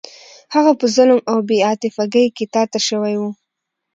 هغه په ظلم او بې عاطفګۍ کې تا ته شوی و.